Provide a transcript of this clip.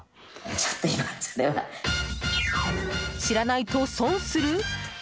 知らないと損する？